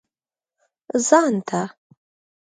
ځان ته.